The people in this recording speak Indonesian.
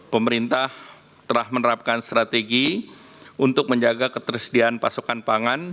pemerintah telah menerapkan strategi untuk menjaga ketersediaan pasokan pangan